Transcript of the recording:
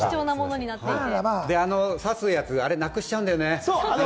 さすやつ、なくしちゃうんだよね。